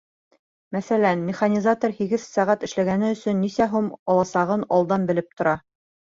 Мәҫәлән, механизатор һигеҙ сәғәт эшләгәне өсөн нисә һум аласағын алдан белеп тора.